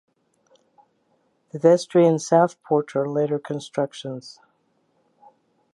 The vestry and south porch are later constructions.